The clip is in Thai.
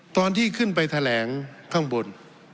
ตอนที่ขึ้นไปแถลงข้างบน